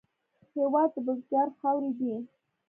هېواد د بزګر خاورې دي.